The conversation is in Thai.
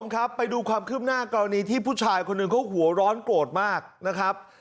ครับไปดูความคืบหน้ากรณีที่ผู้ชายคนหนึ่งเขาหัวร้อนโกรธมากนะครับ